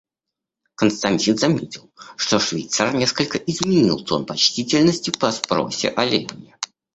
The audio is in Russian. Константин заметил, что швейцар несколько изменил тон почтительности по спросе о Левине.